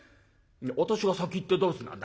「私が先行ってどうすんだ」。